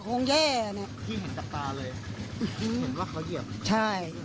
คิดเห็นตักตาเลยหนูเห็นว่าเขาเหยียบ